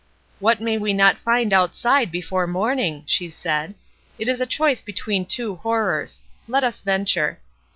"What may we not find outside before morning!" she said. "It is a choice between two horrors; let us venture."